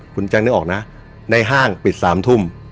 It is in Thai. คุณแจ๊คนึกออกนะในห้างปิด๓ทุ่ม